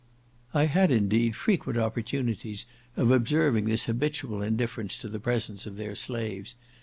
I had, indeed, frequent opportunities of observing this habitual indifference to the presence of their slaves.